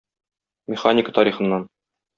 Механика тарихыннан.